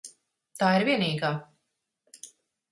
Tā ir vienīgā.